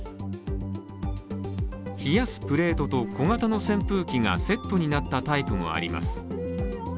冷やすプレートと小型の扇風機がセットになったタイプもあります。